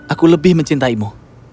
aku lebih mencintaimu